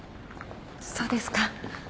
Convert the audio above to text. そうですか。